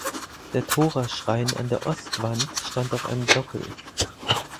Der Toraschrein an der Ostwand stand auf einem Sockel.